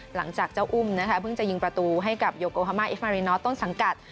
หลังจากเจ้าอุ้มนะคะเพิ่งจะยิงประตูให้กับโยโกฮามาอิฟมารินอทต้นสังกัด